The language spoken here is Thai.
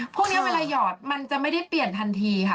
พวกนี้เวลาหยอดมันจะไม่ได้เปลี่ยนทันทีค่ะ